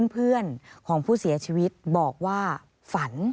เพื่อนของผู้เสียชีวิตบอกว่าฝัน